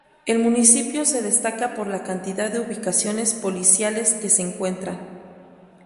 El municipio se destaca por la cantidad de ubicaciones policiales que se encuentran.